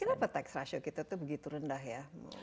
tapi kenapa tax ratio kita tuh begitu rendah ya